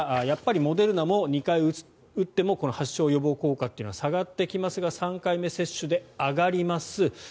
やっぱりモデルナも２回打っても発症予防効果というのは下がってきますが３回目接種で上がります。